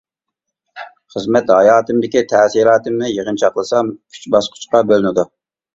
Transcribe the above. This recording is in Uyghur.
خىزمەت ھاياتىمدىكى تەسىراتىمنى يىغىنچاقلىسام، ئۈچ باسقۇچقا بۆلۈنىدۇ.